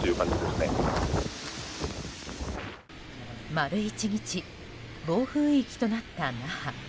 丸１日、暴風域となった那覇。